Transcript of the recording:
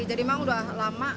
jadi memang udah lama